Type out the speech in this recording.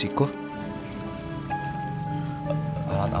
di dunia kita